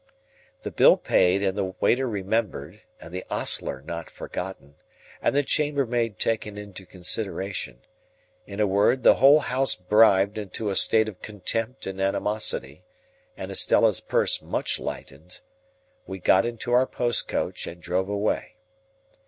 The bill paid, and the waiter remembered, and the ostler not forgotten, and the chambermaid taken into consideration,—in a word, the whole house bribed into a state of contempt and animosity, and Estella's purse much lightened,—we got into our post coach and drove away.